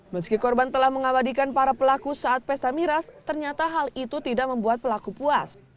meski korban telah mengabadikan para pelaku saat pesta miras ternyata hal itu tidak membuat pelaku puas